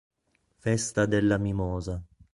Festa della mimosa